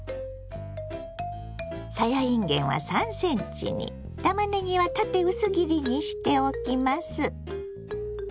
さやいんげんは３ｃｍにたまねぎは縦薄切りにしておきます。